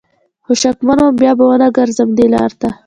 خو شکمن وم بیا به ونه ګرځم دې لار ته